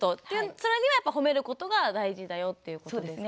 それにはやっぱほめることが大事だよっていうことですか？